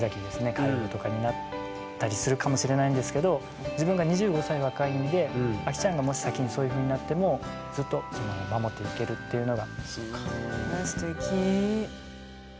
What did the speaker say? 介護とかになったりするかもしれないんですけど自分が２５歳若いんでアキちゃんがもし先にそういうふうになってもずっと守っていけるっていうのが。